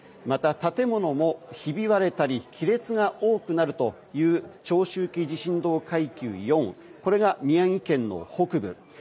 また、建物もひび割れたり亀裂が多くなるという長周期地震動階級４これが宮城県の北部。